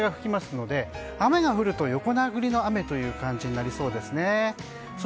結構、南風が吹きますので雨が降ると、横殴りの雨という感じになりそうですね。